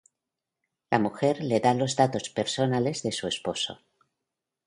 La mujer le da los datos personales de su esposo.